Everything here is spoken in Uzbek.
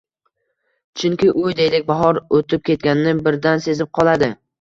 Chunki u, deylik, bahor oʻtib ketganini birdan sezib qoladi